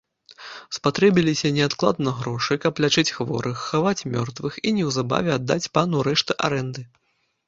Спатрэбіліся неадкладна грошы, каб лячыць хворых, хаваць мёртвых і неўзабаве аддаць пану рэшту арэнды.